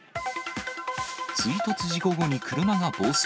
追突事故後に車が暴走。